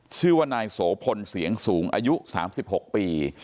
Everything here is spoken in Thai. ชื่อว่านายโสพลเสียงสูงอายุสามสิบหกปี